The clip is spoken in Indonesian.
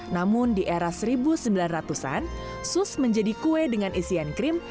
namun di era seribu sembilan ratus an sus menjadi kue dengan isian krim